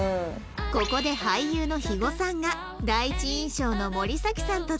ここで俳優の肥後さんが第一印象の森咲さんと２ショットに